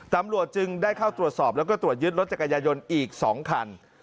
ตำรวจจึงได้เข้าตรวจสอบแล้วก็ตรวจยึดรถจักรยายนอีก๒คัน